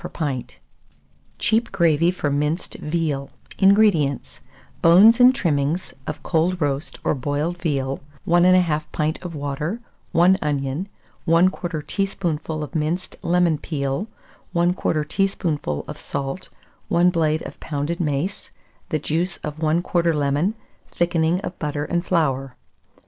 per pint. CHEAP GRAVY FOR MINCED VEAL. 443. INGREDIENTS. Bones and trimmings of cold roast or boiled veal, 1 1/2 pint of water, 1 onion, 1/4 teaspoonful of minced lemon peel, 1/4 teaspoonful of salt, 1 blade of pounded mace, the juice of 1/4 lemon; thickening of butter and flour.